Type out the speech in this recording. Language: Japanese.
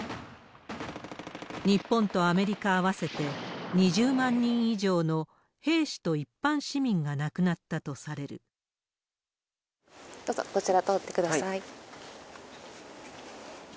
日本とアメリカ合わせて２０万人以上の兵士と一般市民が亡くなっどうぞ、こちら通ってください。